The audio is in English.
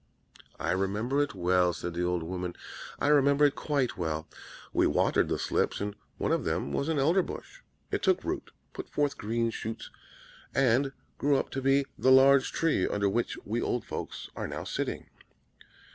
"'I remember it well,' said the old woman; 'I remember it quite well. We watered the slips, and one of them was an Elderbush. It took root, put forth green shoots, and grew up to be the large tree under which we old folks are now sitting.'